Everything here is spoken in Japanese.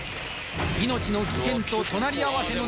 命の危険と隣り合わせの中